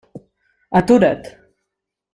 Atura't!